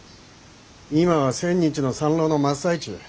今は千日の参籠の真っ最中。